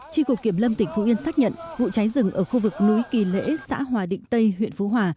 tri cục kiểm lâm tỉnh phú yên xác nhận vụ cháy rừng ở khu vực núi kỳ lễ xã hòa định tây huyện phú hòa